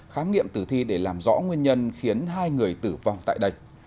khám nghiệm tử thi để làm rõ nguyên nhân khiến hai người tử vong tại đây